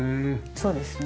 そうですね。